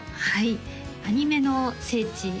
はいアニメの聖地